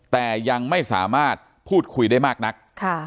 แต่ยังไม่สามารถพูดคุยได้มากนัก